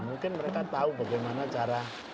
mungkin mereka tahu bagaimana cara